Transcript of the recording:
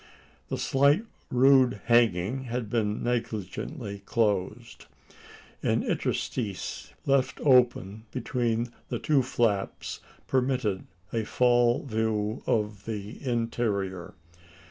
The slight rude hanging had been negligently closed. An interstice left open between the two flaps permitted a fall view of the interior.